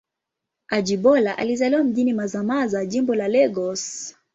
Ajibola alizaliwa mjini Mazamaza, Jimbo la Lagos.